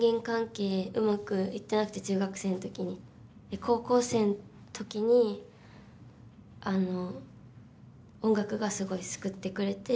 高校生の時にあの音楽がすごい救ってくれて。